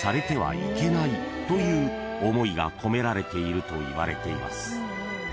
［という思いが込められているといわれています］